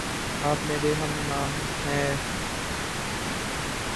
آپ میرے ہم نام ہےـ